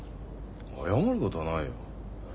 謝ることはないよ。